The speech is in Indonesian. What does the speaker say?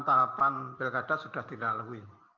tahapan pilkada sudah dilalui